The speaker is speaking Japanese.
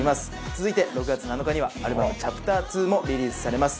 続いて６月７日にはアルバム『ＣｈａｐｔｅｒⅡ』もリリースされます。